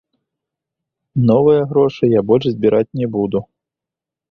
Новыя грошы я больш збіраць не буду.